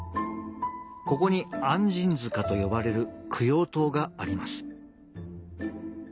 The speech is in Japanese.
ここに按針塚と呼ばれる供養塔があります。